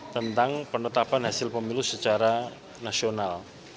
tentang penetapan hasil pemilu secara nasional